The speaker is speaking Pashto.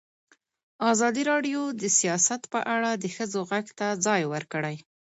ازادي راډیو د سیاست په اړه د ښځو غږ ته ځای ورکړی.